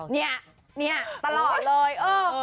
เนี่ยเนี่ยตลอดเลย